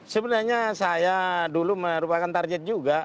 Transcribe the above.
sebenarnya saya dulu merupakan target juga